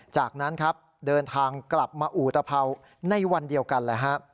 จากนั้นครับเดินทางกลับมาอุตภัวร์ในวันเดียวกันเลยฮะ